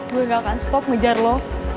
gue gak akan stop ngejar loh